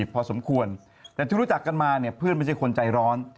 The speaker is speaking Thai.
พอสมควรแต่ที่รู้จักกันมาเนี่ยเพื่อนไม่ใช่คนใจร้อน